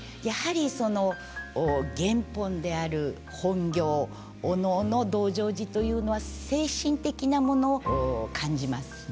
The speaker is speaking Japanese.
やはりその原本である本行お能の「道成寺」というのは精神的なものを感じます。